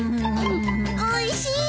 おいしい！